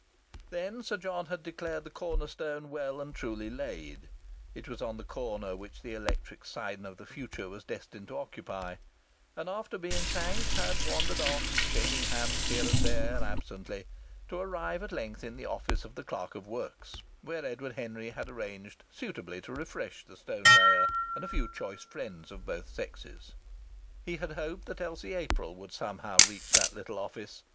Then Sir John had declared the corner stone well and truly laid (it was on the corner which the electric sign of the future was destined to occupy), and after being thanked had wandered off, shaking hands here and there absently, to arrive at length in the office of the clerk of the works, where Edward Henry had arranged suitably to refresh the stone layer and a few choice friends of both sexes. He had hoped that Elsie April would somehow reach that little office.